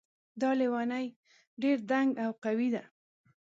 دا لیونۍ ډېر دنګ او قوي ده